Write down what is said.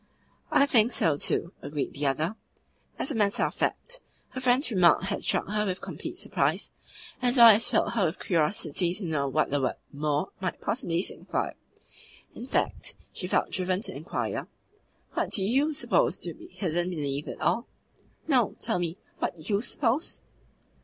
"I think so too," agreed the other. As a matter of fact, her friend's remark had struck her with complete surprise, as well as filled her with curiosity to know what the word "more" might possibly signify. In fact, she felt driven to inquire: "What do YOU suppose to be hidden beneath it all?" "No; tell me what YOU suppose?"